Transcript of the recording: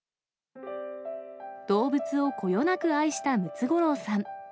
動物をこよなく愛したムツゴロウさん。